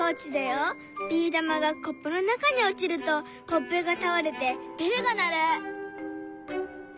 ビー玉がコップの中に落ちるとコップが倒れてベルが鳴る。